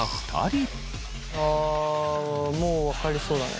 あもう分かりそうだね。